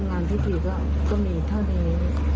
งานพิธีก็มีเท่านี้